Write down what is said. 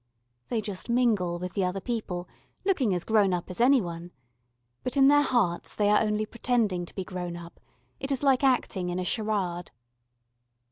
They just mingle with the other people, looking as grown up as any one but in their hearts they are only pretending to be grown up: it is like acting in a charade.